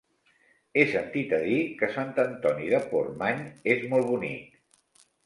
He sentit a dir que Sant Antoni de Portmany és molt bonic.